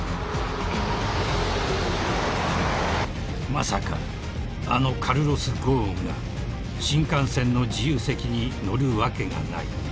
［まさかあのカルロス・ゴーンが新幹線の自由席に乗るわけがない］